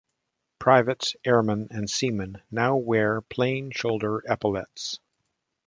Privates, airmen and seamen now wear plain shoulder epaulettes.